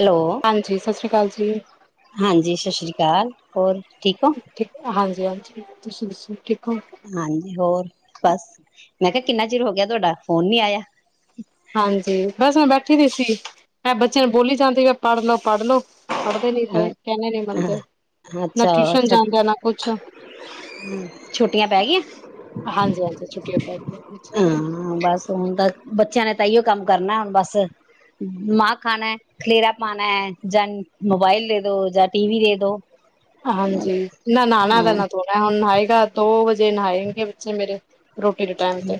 Hello, ਹਾਂਜੀ ਸਤਿ ਸ਼੍ਰੀ ਅਕਾਲ ਜੀ ਹਾਂਜੀ ਸਤਿ ਸ਼੍ਰੀ ਅਕਾਲ। ਹਾਂ ਠੀਕ ਹਾਂਜੀ- ਹਾਂਜੀ ਤੁਸੀਂ ਦੱਸੋ ਕਿ ਹਾਂਜੀ ਹੋਰ ਬਸ ਮੈਂ ਕਿਹਾ ਕਿੰਨਾ ਚਿਰ ਹੋ ਗਿਆ ਤੁਹਾਡਾ ਫੋਨ ਨਹੀ ਆਇਆ। ਹਾਂਜੀ ਬਸ ਮੈਂ ਬੈਠੀ ਦੀ ਸੀ। ਮੈਂ ਬੱਚਿਆਂ ਨੂੰ ਬੋਲੀ ਜਾਂਦੀ ਵੀ ਪੜ੍ਹ ਲੋ ਲੋ। ਪੜਦੇ ਨੀ ਪਏ ਕਹਿਣੇ ਨੀ ਮੰਨਦੇ-ਦੇ ਨਾ ਅੱਛਾ ਟਿਊਸ਼ਨ ਅੱਛਾ ਜਾਂਦੇ ਨਾ ਕੁਛ ਛੁੱਟੀਆਂ ਪੈ ਗਈਆਂ ਗਈਆਂ ਹਾਂ ਬਸ ਹੁਣ ਤਾਂ ਬੱਚਿਆਂ ਨੇ ਤਾਂਹੀਓ ਕੰਮ ਕਰਨਾ ਹੁਣ ਬਸ ਦਿਮਾਗ ਥੋ ਖਾਣਾ ਖਲੇਰਾ ਪਾਣਾ ਜਾਂ ਮੋਬਾਇਲ ਦੇ ਦੋ ਜਾਂ ਟੀ ਵੀ ਦੇ ਦੋ। ਹਾਂਜੀ ਨਾ ਨਹਾਣਾ ਹਾਂ ਤਾਂ ਨਾ ਤੋਣਾ ਹੁਣ ਨਏਗਾ ਦੋ ਵਜੇ ਜੇ ਨਹਾਏਂ ਗਗੇ ਬੱਚੇ ਮੇਰੇ ਰੋਟੀ ਦੇ ਟਾਈਮ ਤੇ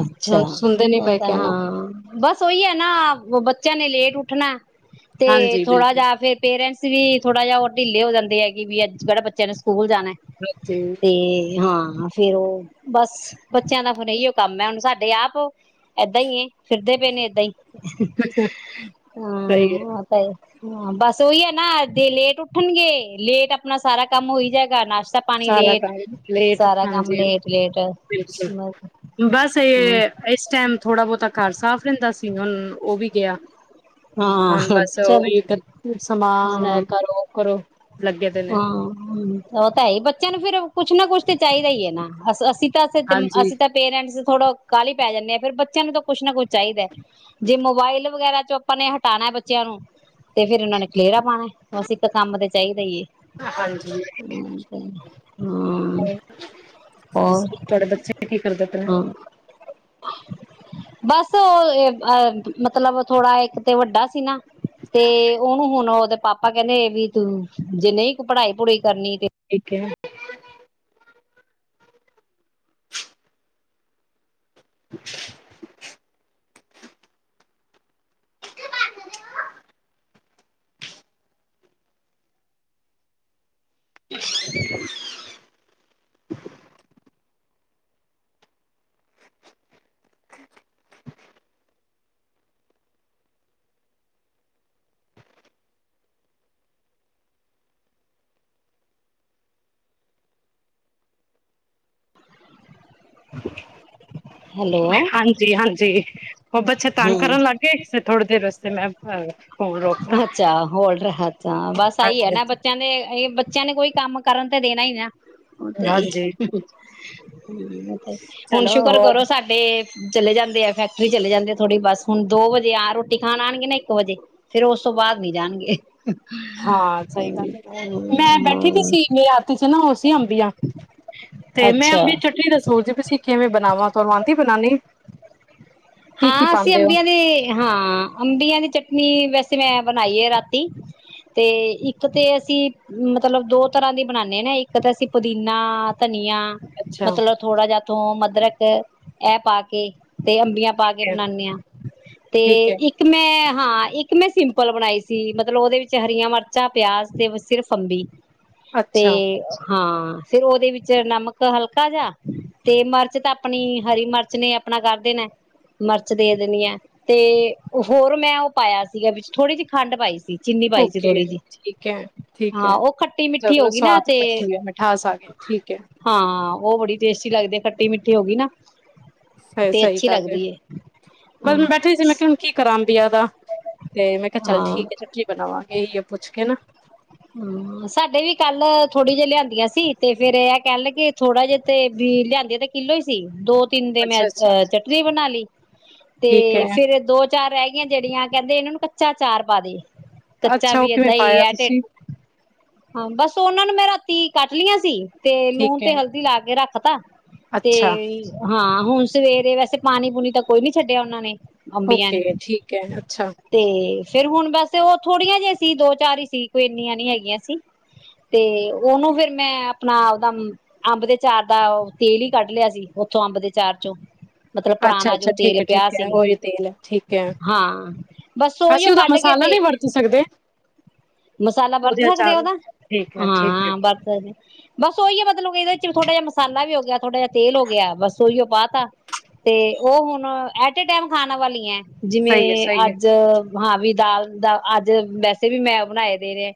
ਅੱਛਾ ਹੁਣ ਸੁਣਦੇ ਨੀ ਉਹ ਪਏ ਤਾਂ ਕਹਿਣਾ ਹਾਂ ਬਸ ਉਹੀ ਹੈ ਨਾ ਬੱਚਿਆਂ ਨੇ ਲੇਟ ਉੱਠਣਾ। ਤੇ ਹਾਂਜੀ ਥੋੜਾ ਬਿਲਕੁਲ ਜਾ ਫੇਰ ਪੇਰੈਂਟਸ ਵੀ ਥੋੜਾ ਜਿਹਾ ਉਹ ਢੀਲੇ ਹੋ ਜਾਂਦੇ ਹੈਗੇਗੀ ਵੀ ਅੱ ਜਿਹੜਾ ਬੱਚਿਆਂ ਨੇ ਸਕੂਲ ਜਾਣਾ ਹਾਂਜੀ ਤੇ ਹਾਂ। ਫਿਰ ਉਹ ਬਸ ਬੱਚਿਆਂ ਦਾ ਫਿਰ ਇਹੀਓ ਕੰਮ ਹੈ ਹੁਣ ਸਾਡੇ ਆਪ ਏਦਾਂ ਹੀ ਫਿਰਦੇ ਪਏ ਨੇ ਏਦਾਂ ਹੀ। ਹਾਂ ਸਹੀ ਹੈ ਉਹ ਤਾਂ ਹੀ। ਹਾਂ ਬਸ ਉਹੀ ਹੈ ਨਾ ਜੇ ਲੇਟ ਉੱਠਣਗੇ ਲੇਟ ਆਪਣਾ ਸਾਰਾ ਕੰਮ ਹੋਈ ਜਾਏਗਾ ਨਾਸ਼ ਪਾਣੀ ਸਾਰਾ ਲੇਟ ਟਾਈਮ ਲੇਟ ਸਾਰਾ ਕੰਮ ਹਾਂਜੀ ਲੇਟ ਲੇਟ ਬਿਲਕੁਲ ਬਸ ਇਹ ਇਸ ਟਾਈਮ ਥੋੜਾ ਬਹੁਤਾ ਘਰ ਸਾਫ਼ ਰਹਿੰਦਾ ਸੀ। ਹੁਣ ਉਹ ਵੀ ਗਿਆ ਹੁਣ ਹਾਂ ਬਸ ਚਲ ਉਹੀ ਗ ਸਮਾਨ ਹੈ। ਹਾਂ ਕਰੋ ਕਰੋ ਲੱਗੇ ਦੇ ਨੇ। ਹਾਂ ਹਮ ਉਹ ਤਾਂ ਹੈ ਬੱਚਾ ਚਲੋ ਫਿਰ ਉਹ ਕੁਛ ਨਾ ਕੁਛ ਤਾਂ ਚਾਹੀਦਾ ਹੀ ਹੈ। ਨਾ- ਅ ਅਸੀਂ ਹਾਂਜੀ। ਅਸੀਂ ਤਾਂ ਪੇਰੈਂਟਸ ਥੋੜਾ ਕਾਹਲੀ ਪੈ ਜਾਂਦੇ ਆ ਫਰ ਬੱਚਿਆਂ ਨੂੰ ਤਾਂ ਕੁੱਛ ਨਾ ਕੁੱਛ ਚਾਹੀਦਾ ਜੇ ਮੋਬਾਇਲ ਵਗੈਰਾ ਚੋਂ ਆਪਾਂ ਨੇ ਹਟਾਣਾ ਬੱਚਿਆਂ ਨੂੰ ਤੇ ਫੇਿਰ ਉਹਨਾਂ ਨੇ ਖਲੇਰਾ ਪਾਉਣਾ ਬਸ ਇੱਕ ਕੰਮ ਤੇ ਚਾਹੀਦਾ। ਨਹੀਂਹੀਏ ਹਾਂਜੀ ਹਮ ਹੋਰ ਤੁਹਾਡੇ ਬੱਚੇ ਨੇ ਕੀ ਕਰਦਾ ਆਪਣਾ ਹਮ ਬਸ ਉਹ ਮਤਲਬ ਥੋੜਾ ਇੱਕ ਤੇ ਵੱਡਾ ਸੀ ਨਾ ਤੇ ਉਹਨੂੰ ਹੁਣ ਉਹਦੇ ਪਾਪਾ ਕਹ ਨੇੇ ਇਹ ਵੀ ਤੂੰ ਜੇ ਨਹੀਂ ਕੋਈ ਪੜ੍ਹਾਈ ਪੜੂਈ ਕਰਨੀ ਤੇ ਠੀਕ ਹੈ [unintelligible] [unintelligible] ਹੈਲੋ ਹਾਂਜੀ ਹਾਂਜੀ ਬਹੁਬ ਬੱਚੇ ਤੰਗ ਹਮ ਕਰਨ ਲੱਗ ਗਏ ਥੋੜੀ ਦੇਰਤੇ ਮੈਂ ਰੋਕਤਾ ਅੱਛਾ ਹੋਲਡ ਅੱਛਾ ਬਸ ਇਹੀ ਹੈ ਹਾਂਜੀ ਨਾ ਹਾਂਜੀ ਬੱਚਿਆਂ ਦੇ ਬੱਚਿਆਂ ਨੇ ਕੋਈ ਕੰਮ ਕਰਨ ਤੇ ਦੇਣਾ ਹੀ ਨਾ ਉਹ ਤੇ ਹਾਂਜੀ ਤੇ ਹੁਣ ਚਲੋ ਸ਼ੁਕਰ ਹੋਰ ਕਰੋ ਸਾਡੇ ਚਲੇ ਜਾਂਦੇ ਆ ਫੈਕਟਰੀ ਚਲੇ ਜਾਂਦੇ ਥੋੜ੍ਹੀ ਬਸ ਹੁਣ ਦੋ ਵਜੇ ਆ ਰੋਟੀ ਖਾਣ ਆਉਣਗੇ ਨਾ ਇੱਕ ਵਜੇ ਫੇਿਰ ਉਸ ਤੋਂ ਬਾਅਦ ਨੀ ਜਾਣਗੇ ਹਾਂ ਸਹੀ, ਗੱਲ ਹੈ ਮੈਂ ਬੈਠੀ ਦੀ ਸੀ ਮੇ ਰਾਤੀ ਚ ਨਾ ਉਹ ਸੀ ਅੰਬਆ ਤੇ ਮੈਂ ਅੱਛਾ ਅੰਬੀ ਚਟਨੀ ਦਾ ਸੂਲਦੀਸੀ ਕਿਵੇਂ ਬਣਾਵਾਂ ਤੂੰ ਆਂਦੀ ਬਣਾਉਣੀ ਹਾਂ, ਅਸੀਂ ਅੰਬੀਆਂ ਦੀ ਹਾਂ ਅੰਬੀਆਂ ਦੀ ਚੱਟਨੀ ਵੈਸੇ ਮੈਂ ਬਣਾਈ ਹੈ ਰਾਤੀ ਤੇ ਇੱਕ ਤੇ ਅਸੀਂ ਮਤਲਬ ਦੋ ਤਰ੍ਹਾਂ ਦੀ ਬਣਾਨਦੇ ਹ ਨਾ ਇੱਕ ਤੇ ਅਸੀਂ ਪੁਦੀਨਾ ਅੱਛਾ ਮਤਲਬ ਥੋੜਾ ਅਦਰਕ ਇਹ ਪਾ ਕੇ ਤੇ ਅੰਬੀਆਂ ਪਾ ਕੇ ਠੀਕ ਹੈ ਬਣਾਉਦੇ ਹਾਂ, ਤੇ ਠੀਕ ਹੈ, ਇੱਕ ਮੈਂ ਹਾਂ, ਇੱਕ ਮੈਂ ਸਿੰਪਲ ਬਣਾਈ ਸੀ ਮਤਲਬ ਉਹਦੇ ਵਿੱਚ ਹਰੀਆਂ ਮਿਰਚਾਂ ਪਿਆਜ ਤੇ ਸਿਰਫ ਅੰਬੀ ਤੇ ਅੱਛਾ ਹਾਂ, ਫਿਰ ਉਹਦੇ ਵਿੱਚ ਨਮਕ ਹਲਕਾ ਜਿ ਤੇ ਮਿਰਚ ਤਾਂ ਆਪਣੀ ਹਰੀ ਮਿਰਚ ਨੇ ਆਪਣਾ ਕਰ ਦੇਣਾ ਮਿਰਚ ਦੇ ਦੇਣੀ ਹੈ ਤੇ ਹੋਰ ਮੈਂ ਉਹ ਪਾਇਆ ਸੀਗਾ ਵਿੱਚ ਥੋੜ੍ਹੀ ਜਿਹੀ ਖੰਡ ਪਾਈ ਸੀ ਚੀਨੀ ਪਾਈ ਸੀ ਓਕੇ ਥੋੜ੍ਹੀ ਜਿਹੀ ਠੀਕ ਹੈ, ਠੀਕ ਹਾਂ ਹੈ, ਉਹ ਖੱਟੀ ਮਿੱਠੀ ਹੋ ਜਦੋਂ ਗਈ ਨਾ ਸਵਾਦ ਤੇ ਭੱਠੀ ਹੈ ਮਿਠਾਸ ਆ ਗ ਠੀਕ ਹੈ ਹਾਂ ਉਹ ਬੜੀ ਟੇਸਟੀ ਲੱਗਦੀ ਖੱਟੀ ਮਿੱਠੀ ਹੋ ਗਈ ਨਾ ਹੈ। ਤੇ ਸਹੀ ਅੱਛੀ ਗੱਲ ਹੈ ਲੱਗਦੀ ਏ ਹਾਂ ਬਸ ਬੈਠੇ ਸੀ, ਮੈਂ ਕਿਹਾ ਹੁਣ ਕੀ ਕਰਾਂ ਬਆਦਾ ਤੇ ਮੈਂ ਕਿਹਾ ਚੱਲ ਹਾਂ ਠੀਕ ਚਟਨੀ ਬਣਾਵਾਂ ਇਹੀ ਹੈ ਪੁੱਛ ਕੇ ਨਾ ਥੋੜੀ ਜਿਹੀ ਲਿਆਂਦੀਆਂ ਸੀ, ਤੇ ਫਿਰਰ ਕਹਿ ਲਗੇ ਥੋੜਾ ਜਿਹਾ ਤੇ ਵੀ ਲਿਆਂਦੀਆਂ ਤੇ ਕਿੱਲੋ ਹੀ ਸੀ ਦੋ ਤਿੰਨ ਦੇ ਮੈਂ ਅੱਛਾ ਅੱਛਾ ਅਹ ਚੱਟਨੀ ਬਣਾ ਲਈ ਤੇ ਠੀਕ ਹੈ ਫੇਰ ਦੋ ਚਾਰ ਰਹਿ ਗਈਆਂ ਜਿਹੜੀਆਂ ਕਹਿੰਦੇ ਇਹਨਾਂ ਨੂੰ ਕੱਚਾ ਚਾਰ ਪਾ ਦੇ। ਕੱਚਾ ਅੱਛਾ ਉਹ ਵੀ ਕਿਵੇਂ ਏਦਾਂ ਹੀ ਪਾਇਆ ਹੈ ਢਿੱਡ ਤੁਸੀਂ। ਹਾਂ, ਬਸ ਉਹਨਾਂ ਨੂੰ ਮੈਂ ਰਾਤੀ ਕੱਟ ਲਈਆਂ ਸੀ। ਤੇ ਲੂਣ ਠੀਕ ਤੇ ਹੈ ਹਲਦੀ ਲਾ ਕੇ ਰੱਖ ਖਤਾ ਤੇ ਅੱਛਾ ਹਾਂ ਹੁਣ, ਸਵੇਰੇ ਵੈਸੇ ਪਾਣੀ-ਪੂਣੀ ਤਾਂ ਕੋਈ ਨੀ ਛੱਡਿਆ ਉਹਨਾਂ ਨੇ ਅੰਬੀਆਂ ਓਕੇ, ਠੀਕ ਹੈ ਅੱਛਾ। ਫਿਰ ਹੁਣ ਵੈਸੇ ਉਹ ਥੋੜੀਆਂ ਜਿਹੀਆਂ ਸੀ ਦੋ ਚਾਰ ਹੀ ਸੀ। ਕੋਈ ਇੰਨੀਆਂ ਨੀ ਹੈਗੀਆਂ ਸੀ, ਤੇ ਉਹਨੂੰ ਫੇਰ ਮੈਂ ਆਪਣਾ ਦਾ ਅੰਬ ਦੇ ਅਚਾਰ ਦਾ ਤੇਲ ਹੀ ਕੱਢ ਲਿਆ ਸੀ, ਉੱਥੋਂ ਅੰਬ ਦੇ ਅਚਾਰ ਚੋਂ ਮਤਲਬ ਅੱਛਾ- ਪੁਰਾਣਾ ਜੋ ਅੱਛਾ ਠੀਕ ਤੇਲ ਹੈ ਪਿਆ ਠੀਕ ਹੈ, ਸੀਗਾ ਉਹੀ ਤੇਲ ਹੈ ਠੀਕ ਹੈ, ਹਾਂ ਬਸ ਅਸੀਂ ਉਹੀਓ ਉਹਦਾ ਕੱਢ ਕੇ ਮਸਾਲਾ ਤੇ ਨਹੀਂ ਵਰਤ ਸਕਦੇ। ਮਸਾਲਾ ਵਰਤ ਉਹਦੇ ਸਕਦੇ ਅਚਾਰ ਨੂੰ? ਉਹਦਾ ਠੀਕ ਹੈ ਠੀਕ ਹੈ ਹਾਂ ਵਰਤ ਸਕਦੇ ਬਸ ਉਹੀ ਹੈ ਮਤਲਬ ਕਿਦਾ ਵੀ ਥੋੜਾ ਜਿਹਾ ਮਸਾਲਾ ਵੀ ਹੋ ਗਿਆ, ਥੋੜਾ ਜਿਹਾ ਤੇਲ ਹੋ ਗਿਆ, ਬਸ ਉਹੀ ਉਹ ਪਾ ਤਾ ਤੇ ਉਹ ਹੁਣ ਐਟ ਏ ਟਾਈਮ ਖਾਣ ਵਾਲੀ ਹੈ। ਜਿਵੇਂ ਸਹੀ ਹੈ ਸਹੀ ਹੈ ਅੱਜ ਹਾਂ ਵੀ ਦਾਲ ਦਾ ਅੱਜ ਵੈਸੇ ਵੀ ਮੈਂ ਬਣਾਏ ਦੇ ਨੇ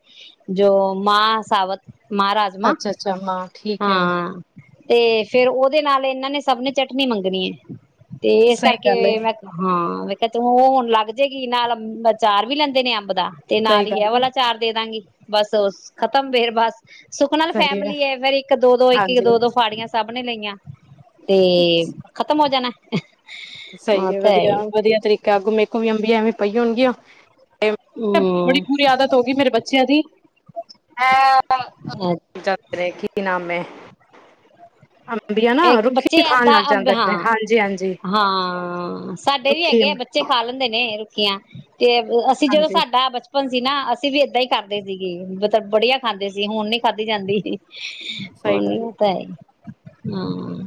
ਜੋ ਮਾਂਹ ਸਾਬਤ - ਮਾਂਹ ਰਾਜਮਾ, ਅੱਛਾ-ਅੱਛਾ ਹਾਂ ਠੀਕ ਹੈ, ਹਾਂ। ਤੇ ਫੇਰ ਉਹਦੇ ਨਾਲ ਇਹਨਾਂ ਨੇ ਸਭ ਨੇ ਚਟਨੀ ਮੰਗਣੀ ਹੈ। ਤੇ ਇਸ ਸਹੀ ਗੱਲ ਏ, ਕਰਕੇ ਮੈਂ ਹਾਂ ਕ ਹੁਣ ਲੱਗ ਜਾਏਗੀ ਨਾਲ ਅਚਾਰ ਵੀ ਲੈਂਦੇ ਨੇ ਅੰਬ ਦਾ ਤੇ ਸਹੀ ਨਾਲ ਹੀ ਇਹ ਗੱਲ ਏ, ਵਾਲਾ ਦੇ ਦਾਂਗੀ ਬਸ ਖਤਮ ਫੇਰ ਬਸ। ਸੁਖ ਨਾਲ ਫੈਮਲੀ ਹੈ, ਫੇਰ ਇੱਕ ਦੋ ਦੋ ਇੱਕ ਹਾਂਜੀ। ਦੋ ਦੋ ਫਾੜੀਆਂ ਸਭ ਆਪਣੇ ਲਈਆਂ ਤੇ ਖਤਮ ਹੋ ਜਾਣਾ। ਹ ਸਹੀ ਹੈ ਵਧੀਆ- ਵਧੀਆ ਤਰੀਕਾ [inaudible] ਅੰਬੀਆ ਐਵੇਂ ਪਈ ਹੋਣਗੀਆਂ। ਬੜੀ ਹਮ ਕਬੁਰੀ ਆਦਤ ਹੋ ਗਈ ਮੇਰੇ ਬੱਚਿਆਂ ਦੀ, ਦੇ ਨੇ ਕੀ ਨਾਮ ਹੈ। ਅੰਬੀਆ ਨਾ ਇੱਕ ਬੱਚੇ ਰੁੱਖੀਆਂ ਖਾਣ ਏਦਾਂ ਲੱਗ ਅੰਬ ਜਾਂਦੇ ਨੇ ਹਾਂ ਹਾਂਜੀ ਹਾਂਜੀ। ਹਾਂ ਸਾਡੇ ਵੀ ਹੈਗੇ ਆ ਬੱਚੇ ਖਾ ਲੈਂਦੇ ਨੇ। ਗਿਆ ਤੇ ਅਸੀਂ ਜਦੋਂ ਹਾਂਜੀ। ਸਾਡਾ ਬਚਪਨ ਨ ਸੀ ਨਾ, ਅਸੀਂ ਵੀ ਏਦਾਂ ਹੀ ਕਰਦੇ ਸੀਗੇ, ਮਤਲਬ ਬੜੀਆ ਖਾਂਦੇ ਸੀ, ਹੁਣ ਨੀ ਖਾਧੀ ਜਾਂਦੀ। ਸਹੀ ਹੁਣ ਗੱਲ ਨਹੀਂ ਖਾਦਾ ਜਾਂਦਾ। ਹਮ।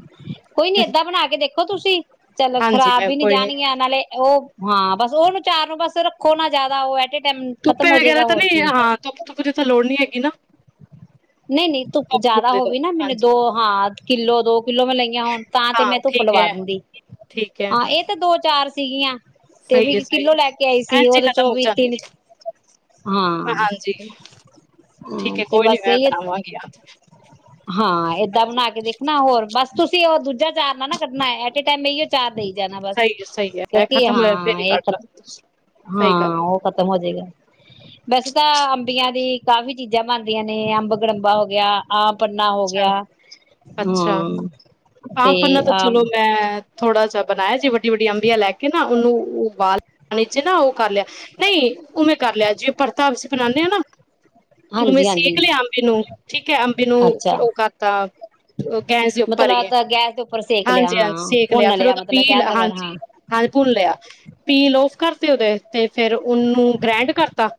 ਕੋਈ ਨੀ ਏ, ਏਦਾਂ ਬਣਾ ਕੇ ਦੇਖੋ ਤੁਸੀਂ, ਚਲੋ ਹਾਂਜੀ ਖ਼ਰਾਬ ਮੈਂ ਵੀ ਨੀ ਕੋਈ ਜਾਣਗੀਆਂ, ਨਾਲੇ ਉਹ ਹਾਂ, ਬਸ ਉਹਨੂੰ ਚਾਰ ਨੂੰ ਬਸ ਰੱਖੋ ਨਾ ਜ਼ਿਆਦਾ। ਉਹ ਐ ਖਤਮ ਧੁੱਪੇ ਹੋ ਵਗੈਰਾ ਜਾਏਗਾ ਤਾਂ ਹੋਰ ਨਹੀਂ ਕੀ, ਹਾਂ ਧੁੱਪ-ਧੁੱਪ ਦੀ ਤਾਂ ਲੋੜ ਨੀ ਹੈਗੀ ਨਾ ਨਹੀਂ -ਨਹੀਂ ਧੁੱਪ ਧੁੱਪ-ਧੁੱਪ ਜਿਆਦਾ ਦੀ ਤਾਂ ਹੋਵੇ ਨਾ ਮੈਨੂੰ ਹਾਂਜੀ ਦੋ ਹਾਂ ਕਿੱਲੋ- ਦੋ- ਕਿੱਲੋ ਮੈਂ ਲਈਆਂ, ਹੋਣ ਤਾਂ ਤੇ ਹਾਂ ਮੈਂ ਧੁੱਪ ਠੀਕ ਲਵਾ ਹੈ, ਦਿੰਦੀ ਠੀਕ ਹੈ, ਹਾਂ, ਇਹ ਤੇ ਦੋ- ਚਾਰ ਘਾਰ ਸੀਗੀਆਂ। ਤੇ ਵੀ ਸਹੀ ਹੈ, ਇੱਕ ਸਹੀ ਕਿੱਲੋ ਹੈ, ਲੈ ਕੇ ਆਈ ਸੀ, ਐਂਜ ਈ ਉਹਦੇ ਖਤਮ ਚੋਂ ਹੋ ਵੀ ਜਾਂਦੀ ਤਿੰਨ, ਹਾਂ ਹਾਂਜੀ, ਠੀਕ ਹੈ ਤੇ ਕੋਈ ਨੀ ਬਸ ਮੈਂ ਇਹੀ ਬਣਾਵਾਂਗੀ ਅੱਜ ਹਾਂ, ਏਦਾਂ ਹਾਂਜੀ। ਬਣਾ ਕੇ ਦੇਖ ਹੋਰ ਬਸ ਤੁਸੀਂ ਉਹ ਦੂਜਾ ਚਾਰ ਨਾਲ ਨਾ ਕੱਢਨਾ ਇਹ ਫੇਰ ਇਸ ਟਾਈਮ ਇਹੀਓ ਚਾਰ ਦੇਈ ਜਾਣਾ ਬਸ, ਸਹੀ ਹੈ, ਸਹੀ ਹੈ, ਇਹ ਕਿਉਂਕਿ ਖਤਮ ਹੋਇਆ ਫੇਰ ਹਾਂ ਹੀ ਇਹ ਕੱਢ ਲਾਂਗੇ ਤੁਸੀਂ ਸਹੀ ਗੱਲ ਹਾਂ ਹੈ, ਉਹ ਖਤਮ ਹੋ ਜਾਏਗਾ, ਵੈਸੇ ਤਾਂ ਅੰਬੀਆਂ ਦੀ ਕਾਫ਼ੀ ਚੀਜ਼ਾਂ ਬਣਦੀਆਂ ਨੇ, ਅੰਬ ਗੜੰਬਾ ਹੋ ਗਿਆ। ਆਪ ਪੰਨਾ ਹੋ ਅੱਛਾ, ਗਿਆ। ਅੱਛਾ, ਹਾਂ ਤੇ ਆਮ ਪਂਨਾ ਤਾਂ ਆਮ ਚਲੋ ਮੈਂ ਥੋੜਾ ਜਿਹਾ ਬਣਾਇਆ ਜੀ, ਵੱਡੀ- ਵੱਡੀ ਅੰਬੀਆਂ ਲੈ ਕੇ ਨਾ ਉਹਨੂੰ ੳਬਾਲ ਪਾਣੀ 'ਚ ਨਾ ਉਹ ਕਰ ਲਿਆ ਨਹੀਂ ਉਵੇਂ ਕਰ ਲਿਆ ਜੀ। ਪਰਤਾ ਅਸੀਂ ਬਨਾਦੇ ਹਾਂ ਨਾ, ਹੁਵੇਂ ਹਾਂਜੀ ਹਾਂਜੀ ਸੇਖ ਲਿਆ। ਅੰਬੀ ਨੂੰ, ਠੀਕ ਹੈ, ਅੰਬੀ ਨੂੰ ਫ ਅੱਛਾ ਉਹ ਕਰਤਾ ਗੈਸ ਦੇ ਉੱਪਰ ਹੀ ਮਤਲਬ ਤਾਂ ਗੈਸ ਦੇ ਉੱਪਰ ਸੇਕ ਲਿਆ ਹਾਂਜੀ- ਹਾਂਜੀ ਹਾਂ ਸੇਕ ਲਿਆ ਭੁੰਨ ਫੇਰ ਉਹਦਾ ਮਤਲਬ ਪੀਲ, ਕਹਿਣ ਦਾ ਮਤਲਬ ਹਾਂਜੀ- ਹਾਂ ਹਾਂਜੀ ਭੁੰਨ ਲਿਆ। ਪੀਲ ਆਫ ਕਰਦੇ ਉਹਦੇ ਤੇ, ਫੇਰ ਉਹਨੂੰ ਗ੍ਰੈਂਡ ਕਰਤਾ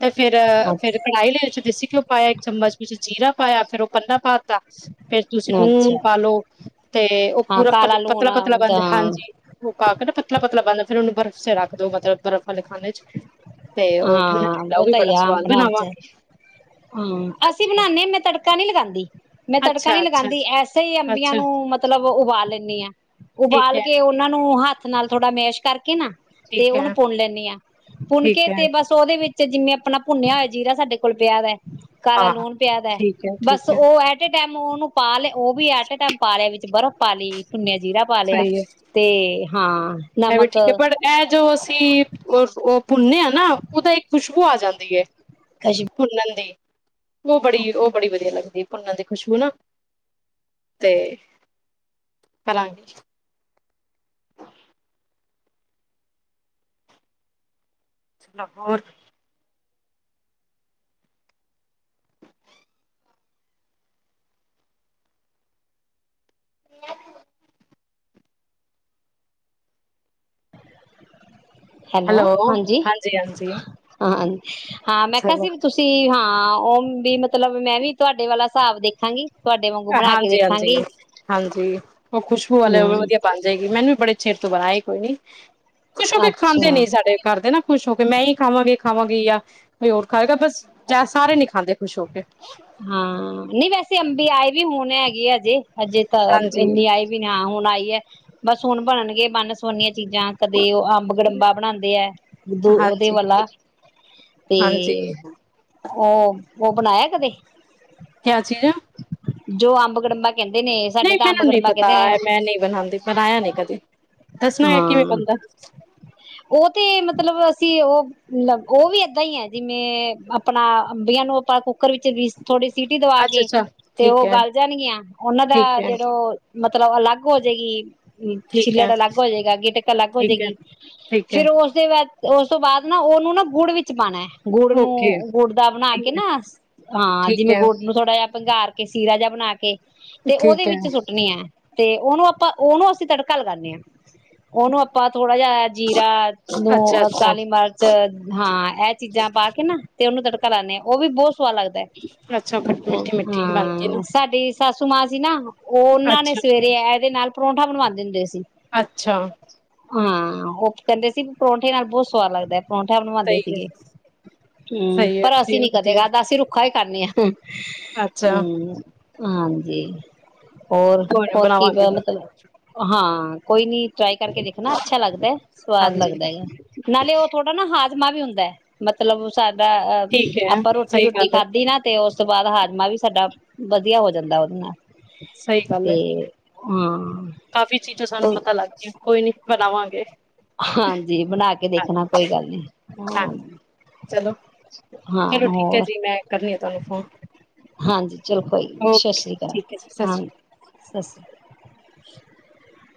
ਤੇ ਫੇਰ ਫੇਰ ਅੱਛਾ ਕੜਾਹੀ ਲਈ ਵਿੱਚ ਦੇਸੀ ਘਿਓ ਪਾਇਆ, ਇੱਕ ਚਮਚ ਵਿੱਚ ਜੀਰਾ ਪਾਇਆ ਫਿਰ ਉ ਪੰਦਾ ਪਾ ਫਰ ਤੁਸੀਂ ਨੁਨ ਅੱਛਾ ਪਾਲੋ ਤੇ ਉਹ ਹਾਂ ਪੂਰਾ ਕਾਲਾ ਲੂਣ ਪਤਲਾ- ਪਤਲਾ ਬਣ ਤਾਂ ਹਾਂਜੀ ਉਹ ਪਾ ਕੇ ਨਾ ਪਤਲਾ- ਪਤਲਾ ਬਣ ਫੇਰ ਉਹਨੂੰ ਬਰਫ਼ 'ਚ ਰੱਖ ਦੋ ਮਤਲਬ ਬਰਫ਼ ਵਾਲੇ ਖਾਣੇ 'ਚ ਤੇ ਉਹ, ਠੰਡਾ- ਹਾਂ ਠੰਡਾ ਉਹ ਵੀ ਬੜਾ ਸਵਾਦ ਬਣਾਵਾਂਗੇ। ਹਾਂ, ਅਸੀਂ ਹਾਂਜੀ ਬਣਾਦੇ ਹ ਮੈਂ ਤੜਕਾ ਨੀ ਲਗਾਉਂਦੀ। ਮੈਂ ਤੜਕਾ ਨਹੀਂ ਅੱਛਾ-ਅੱਛਾ, ਲਗਾਉਂਦੀ, ਐਸੇ ਹੀ ਅੱਛਾ ਅੰਬੀਆਂ ਅੱਛਾ ਨੂੰ ਮਤਲਬ ਉ ਉਬਾਲ ਲੈਂਦੀ ਹਾਂ। ਠੀਕ ਉਬਾਲ ਐ, ਕੇ ਉਹਨਾ ਨੂੰ ਹੱਥ ਹੱਥ ਨਾਲ ਥੋੜਾ ਮੇਸ਼ ਕਰਕੇ ਨਾ ਤੇ ਠੀਕ ਉਹਨੂੰ ਐ, ਪੁੰਨ ਲੈਂਦੀ ਹਾਂ ਪੁੁੰਨ ਕੇ ਠੀਕ ਐ ਤੇ ਬਸ ਉਹਦੇ ਵਿੱਚ ਤੇ ਜਿਵੇਂ ਆਪਣਾ ਭੁੰਨਿਆ ਹੋਆ ਜੀਰਾ ਸਾਡੇ ਕੋਲ ਪਿਆ ਵੇ ਕਾਲਾ ਹਾਂ, ਲੂਣ ਪਿਆ ਦਾ ਠੀਕ ਐ, ਬਸ ਠੀਕ ਐ ਉਹ ਐਟ ਟਾਈਮ ਉਹ ਨੂੰ ਪਾ ਲੇ। ਉਹ ਵੀ ਐਟ ਏ ਟਾਈਮ ਪਾਲਿਆ ਵਿੱਚ ਬਰਫ਼ ਪਾਲੀ ਭੁੰਨਿਆ ਜੀਰਾ ਪਾ ਲਿਆ ਸਹੀ ਐ। ਤੇ ਹਾਂ। ਇਹ ਵੀ ਨਮਕ ਠੀਕ ਹੈ, ਪਰ ਇਹ ਜੋ ਅਸੀਂ ਭੁੰਨੇ ਆ ਨਾ, ਉਹਦਾ ਇੱਕ ਖੁਸ਼ਬੂ ਆ ਜਾਂਦੀ ਹੈ। ਕਸ਼ ਭੁੰਨਨ ਦੀ ਉਹ ਬੜੀ, ਉਹ ਬੜੀ ਵਧੀਆ ਲੱਗਦੀ ਭੁੰਨਣ ਦੀ ਖੁਸ਼ਬੂ ਨਾ, ਤੇ ਕਰਾਂਗੇ ਲਾਹੌਰ [unintelligible] ਹੈਲੋ, ਹਾਂਜੀ ਹਾਂ, ਹਾਂ ਮੈਂ ਕਿਹਾ ਚਲੋ ਸੀ ਵੀ ਤੁਸੀਂ ਹਾਂ ਹਾਂ, ਉਹ ਵੀ ਮਤਲਬ ਮੈਂ ਵੀ ਤੁਹਾਡੇ ਵਾਲਾ ਹਿਸਾਬ ਦੇਖਾਂਗੀ ਤੁਹਾਡੇ ਵਾਂਗੂ ਬਣਾ ਕੇ ਹਾਂਜੀ, ਹਾਂਜੀ, ਦੇਖਾਂਗੀ ਹਾਂਜੀ ਉਹ ਖੁਸ਼ਬੂ ਵਾਲੇ ਹਮ ਵਧੀਆ ਬਣ ਜਾਏਗੀ ਮੈਨੂੰ ਵੀ ਬੜੇ ਚਿਰ ਤੂੰ ਬਣਾਈ ਕੋਈ ਨੀ ਖੁਸ਼ ਹੋ ਕੇ ਖਾਂਦੇ ਅੱਛਾ ਨ ਸਾਡੇ ਘਰਦੇ ਨਾ, ਖੁਸ਼ ਹੋ ਕੇ ਮੈਂ ਹੀ ਖਾਵਾਂਗੇ ਖਾਵਾਂਗੀ ਜਾਂ ਕੋਈ ਹੋਰ ਖਾਵੇਗਾ ਬਸ ਚ ਸਾਰੇ ਨੀ ਖਾਂਦੇ ਖੁਸ਼ ਹੋ ਕੇ ਹਾਂ ਨਹੀਂ ਵੈਸੇ ਅੰਬੀ ਆਏ ਵੀ ਹੁਣ ਹੈਗੇ ਆਜੇ ਅਜੇ ਤਾਂ ਹਾਂਜੀ ਇੰਨੀ ਆਈ ਵੀ ਨੀ ਹਾਂ ਹੁਣ ਆਈ ਹੈ ਬਸ ਹੁਣ ਬਣਨਗੇਏ ਬਨ ਸੋਨੀਆਂ ਚੀਜ਼ਾਂ ਕਦੇ ਉਹ ਅੰਬ ਗੜੰਬਾ ਬਣਾਉਂਦੇ ਹੈ, ਦ ਉਹਦੇ ਹਾਂਜੀ ਵਾਲਾ ਤੇ ਹਾਂਜੀ ਉਹ ਉਹ ਬਣਾਇਆ ਕਦੇ ਕਿਆ ਚੀਜ਼ ਹੈ ਜੋ ਅੰਬ ਗੜੰਬਾ ਕਹਿੰਦੇ ਨੇ ਸਾਡੇ ਨਹੀਂ, ਤਾਂ ਅੰਬ ਮੈਨੂੰ ਨਹੀਂ ਗੜੰਬਾ ਪਤਾ ਕਹਿੰਦੇ ਆ। ਮੈਂ ਨਹੀਂ ਬਣਾਉਂਦੀ ਬਣਾਇਆ ਨਹੀਂ ਕਦੇ ਦੱਸਣਾ ਹੈ ਕਿਵੇਂ ਹਾਂ, ਬਣਦਾ ਉਹ ਤੇ ਮਤਲਬ ਉਹ ਉਹ ਵੀ ਏਦਾਂ ਹੀ ਹੈ, ਜਿਵੇਂ ਆਪਣਾ ਅੰਬੀਆਂ ਨੂੰ ਆਪਾਂ ਕੁੱਕਰ ਵਿੱਚ ਵੀ ਥੋੜੀ ਸੀਟੀ ਦਵਾ ਅੱਛਾ ਕੇ ਅੱਛਾ ਤੇ ਠੀਕ ਉਹ ਹੈ ਗਲ ਜਾਣਗੀਆਂ ਉਹਨਾਂ ਠੀਕ ਦਾ ਹੈ ਜਿਹੜੋ ਮਤਲਬ ਅਲੱਗ ਹੋ ਜਾਏਗੀ ਠੀਕ ਹੈ ਛਿਲੜਾ ਅਲੱਗ ਹੋ ਜਾਏਗਾ ਗਿਟਕ ਅਲੱਗ ਹੋ ਠੀਕ ਹੈ ਜਾਏਗੀ ਠੀਕ ਹੈ ਫੇਰ ਉਸਦੇ ਬਾਅਦ ਤੇ ਉਸ ਤੋਂ ਬਾਅਦ ਨਾ ਉਹਨੂੰ ਨਾ ਗੁੜ ਵਿੱਚ ਪਾਉਣਾ ਗੁੜ ਓਕੇ ਨੂੰ ਗੁੜ ਦਾ ਬਣਾ ਠੀਕ ਕੇ ਹੈ ਨਾ ਹਾਂ ਠੀਕ ਜਿਵੇਂ ਹੈ ਗੁੜ ਨੂੰ ਥੋੜ੍ਹਾ ਜਿਹਾ ਪੰਘਾਰ ਕੇ ਸੀਰਾ ਜਾ ਬਣਾ ਕੇ ਤੇ ਓਹਦੇ ਠੀਕ ਹੈ ਵਿੱਚ ਸੁੱਟਣੀ ਐ। ਤੇ ਓਹਨੂੰ ਅਪਾਂ ਓਹਨੂੰ ਅਸੀਂ ਤੜਕਾ ਲਗਾਨੇ ਆਂ। ਓਹਨੂੰ ਅਪਾਂ ਥੋੜ੍ਹਾ ਜਾ ਜੀਰਾ ਅੱਛਾ ਨੂੰ ਅੱਛਾ ਕਾਲੀ ਮਰਚ ਹਾਂ ਐ ਚੀਜ਼ਾਂ ਪਾ ਕੇ ਨਾ ਤੇ ਔਨੂੰ ਤੜਕਾ ਲਾਂਦੇ ਆ ਔ ਵੀ ਬੌਤ ਸ ਸਵਾਦ ਲੱਗਦੈ‌। ਅੱਛਾ ਖੱਟੀ ਮਿੱਠੀ ਮਿੱਠੀ ਬਣਦੀ ਹਾਂ ਸਾਡੀ ਸੱਸ ਸੁਮਾਸੀ ਨਾ ਨਾ ਔਹਨਾਂ ਨੇ ਅੱਛਾ ਸਵੇਰੇ ਐਦੇ ਨਾਲ ਪਰੌਂਠਾ ਬਣਵਾਂਦੇ ਹੁੰਦੇ ਸੀ। ਅੱਛਾ। ਹਾਂ, ਔ ਕਿ ਕੈੰਦੇ ਸੀ ਪਰੌਂਠੇ ਨਾਲ ਬੌਤ ਸਵਾਦ ਲੱਗਦੈ। ਪਰੌਂਠਾ ਬਣਵਾਂਦੇ ਸਹੀ ਹੈ ਸੀਗੇ, ਹਮ, ਸਹੀ ਹੈ ਪਰ ਅਸੀਂ ਵਧੀਆ ਨੀ ਕਦੇ ਵਧੀਆ ਅਸੀਂ ਰੁੱਖਾ ਖਾਦਾ ਖਾਣਿ ਆ ਹਮ। ਅੱਛਾ ਹਮ ਹਾਂਜੀ ਹੋਰ ਕੋਈ ਨਾ ਹੋਰ ਕੀ ਬਣਾਵਾਂਗੇ ਮੈਂ। ਗਲਤ ਹਾਂ ਕੋਈ ਨੀ। ਟਰਾਈ ਕਰਕੇ ਦੇਖਣਾ ਅੱਛਾ ਲੱਗਦੈ, ਸਵਾਦ ਹਾਂਜੀ ਲੱਗਦੈ ਹੈਗਾ ਨਾਲੇ ਔ ਥੋੜਾ ਨਾ ਹਾ ਉਤਮਾ ਵੀ ਹੁੰਦੈ ਮਤਲਬ ਸਾ ਅਹ ਅ ਠੀਕ ਹੈ ਆਪਾਂ ਰੋਟੀ ਸਹੀ ਰੁਟੀ ਗੱਲ ਹੈ ਖਾਧੀ ਨਾ ਤੇ ਔਸ ਉਸ ਤੋਂ ਬਾਅਦ ਹਾਜ਼ਮਾ ਵੀ ਸਾਡਾ ਵਧੀਆ ਹੋ ਜਾਂਦੈ ਔਦੇ ਨਾਲ। ਸਹੀ ਗੱਲ ਤੇ ਹੈ ਹਆ ਕਾਫੀ ਚੀਜ਼ਾਂ ਸਨ ਸਾਨੂੰ ਪਤਾ ਲੱਗ ਗਿਆ ਕੋਈ ਨੀ। ਬਣਾਵਾਂਗੇ ਹਾਂਜੀ, ਬਣਾ ਕੇ ਹਾਂ ਦੇਖਣਾ ਕੋਈ ਗੱਲ ਨੀ। ਹਾਂ, ਚਲੋ ਹਾਂ ਚਲੋ ਠੀਕ ਹੈ ਹੋਰ, ਜੀ ਮੈਂ ਕਰਨੀ ਆ ਤੁਹਾਨੂੰ ਫੋਨ ਹਾਂਜੀ ਚਲੋ ਕੋਈ ਨੀ ਸਤ ਓਕੇ ਸ੍ਰੀ ਕਾਲ ਠੀਕ ਹੈ ਜੀ ਸਤਿ ਸ਼੍ਰੀ ਅਕਾਲ। ਹਾਂ ਸ ਸ੍ਰੀ [inaudible]